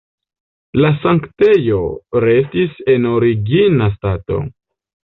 La sanktejo restis en origina stato.